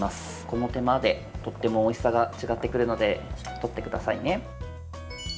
この手間でとってもおいしさが違ってくるのでとってくださいね。